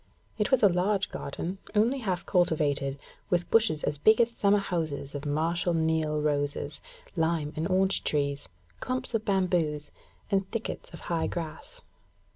It was a large garden, only half cultivated, with bushes as big as summer houses of Marshal Niel roses, lime and orange trees, clumps of bamboos, and thickets of high grass.